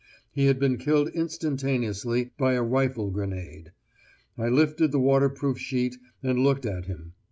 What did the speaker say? He had been killed instantaneously by a rifle grenade. I lifted the waterproof sheet and looked at him.